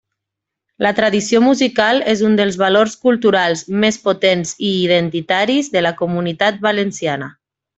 La tradició musical és un dels valors culturals més potents i identitaris de la Comunitat Valenciana.